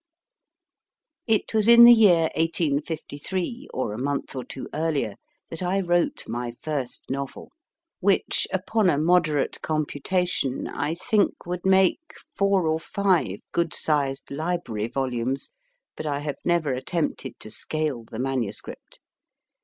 It was in the year 1853, or a month or two earlier, that I wrote my first novel which, upon a moderate com putation,! think, would make four or five good sized library volumes, but I have never attempted to scale the manuscript.